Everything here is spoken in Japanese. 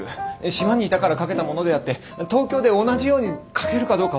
島にいたから書けたものであって東京で同じように書けるかどうか分からない。